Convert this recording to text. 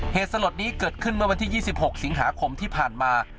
เหตุสลดนี้เกิดขึ้นเมื่อวันที่๒๖สิงหาคมที่ผ่านมา